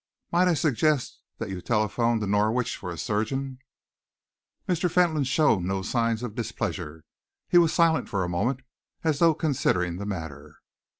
Might I suggest that you telephone to Norwich for a surgeon?" Mr. Fentolin showed no signs of displeasure. He was silent for a moment, as though considering the matter.